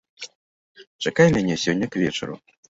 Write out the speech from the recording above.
Чакай мяне сёння к вечару.